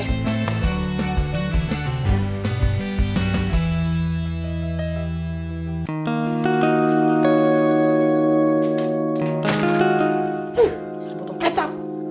eh bisa dibotong kecap